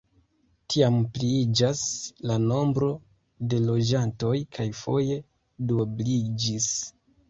Tiam pliiĝas la nombro de loĝantoj kaj foje duobliĝis.